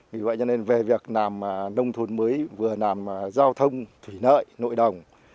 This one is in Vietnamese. vì vậy cho nên về việc làm nông thôn mới vừa làm giao thông thủy lợi nội đồng